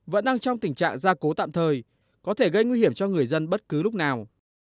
vẫn đang trong tình trạng gia cố tạm thời có thể gây nguy hiểm cho người dân bất cứ lúc nào